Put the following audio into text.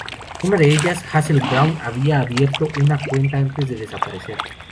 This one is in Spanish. Una de ellas, Hazel Brown, había abierto una cuenta antes de desaparecer.